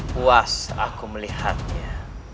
puas aku melihatnya